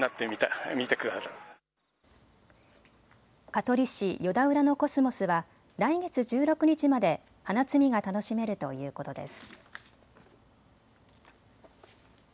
香取市与田浦のコスモスは来月１６日まで花摘みが楽しめるということです。